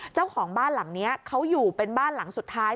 เจ้าของบ้านหลังนี้เขาอยู่เป็นบ้านหลังสุดท้าย